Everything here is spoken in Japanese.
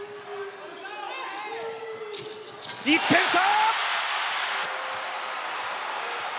１点差！